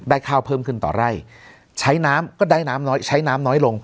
ข้าวเพิ่มขึ้นต่อไร่ใช้น้ำก็ได้น้ำน้อยใช้น้ำน้อยลง